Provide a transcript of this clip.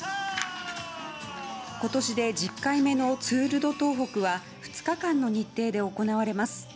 今年で１０回目のツール・ド・東北は２日間の日程で行われます。